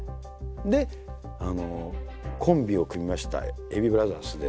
でコンビを組みましたＡＢブラザーズで。